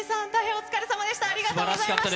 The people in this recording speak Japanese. お疲れさまでした。